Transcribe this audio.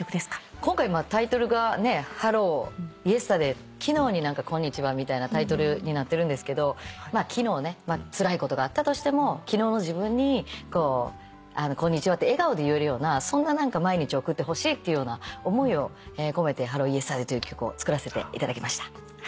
今回タイトルが『ＨｅｌｌｏＹｅｓｔｅｒｄａｙ』「昨日にこんにちは」みたいなタイトルになってるんですけど昨日つらいことがあったとしても昨日の自分にこんにちはって笑顔で言えるようなそんな毎日を送ってほしいっていうような思いを込めて『ＨｅｌｌｏＹｅｓｔｅｒｄａｙ』という曲をつくらせていただきました。